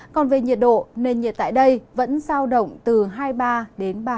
còn về nhiệt độ nền nhiệt tại đây vẫn giao động từ hai mươi ba đến ba mươi ba độ